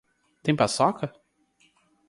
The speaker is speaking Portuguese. Tem paçoca?